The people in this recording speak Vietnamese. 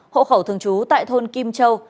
hộ khẩu thường trú tại thôn kim châu